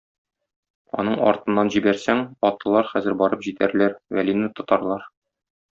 Аның артыннан җибәрсәң, атлылар хәзер барып җитәрләр, Вәлине тотарлар.